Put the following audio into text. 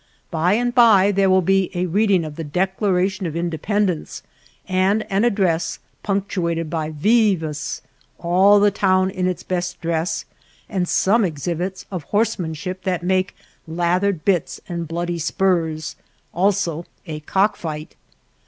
By and by there will be a reading of the Declaration of Independ ence and an address punctured hy vives ; all the town in its best dress, and some ex hibits of horsemanship that make lathered bits and bloodly spurs ; also a cock fight.